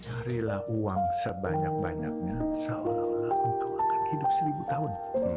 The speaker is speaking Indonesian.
carilah uang sebanyak banyaknya seolah olah engkau akan hidup seribu tahun